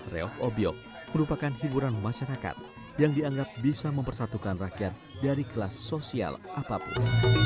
reok obyok merupakan hiburan masyarakat yang dianggap bisa mempersatukan rakyat dari kelas sosial apapun